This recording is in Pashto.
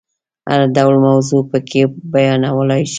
هر ډول موضوع پکې بیانولای شي.